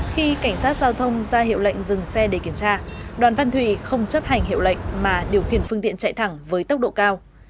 khi cảnh sát giao thông ra hiệu lệnh dừng xe để kiểm tra đoàn văn thủy không chấp hành hiệu lệnh mà điều khiển phương tiện chạy thẳng với tốc độ cao